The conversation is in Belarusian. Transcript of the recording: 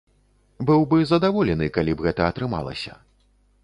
Быў бы задаволены, калі б гэта атрымалася.